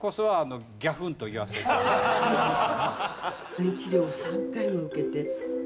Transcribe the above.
不妊治療を３回も受けて。